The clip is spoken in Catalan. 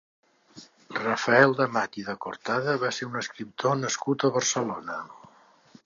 Rafael d'Amat i de Cortada va ser un escriptor nascut a Barcelona.